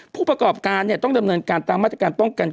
ผู้ประกอบการเนี่ยต้องดำเนินการตามมาตรการป้องกัน